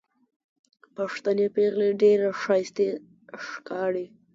پښتنې پېغلې ډېرې ښايستې ښکاري